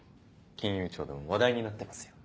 金融庁でも話題になってますよ。